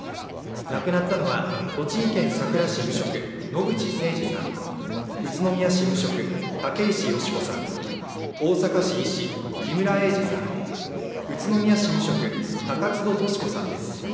亡くなったのは栃木県さくら市、無職野口誠二さん、宇都宮市、無職、竹石佳子さん、大阪市、医師、木村英二さん、宇都宮市、無職高津戸トシ子さんです。